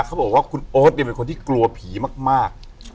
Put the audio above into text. เขาบอกว่าคุณโอ๊ตเป็นคนที่กลัวผีมาก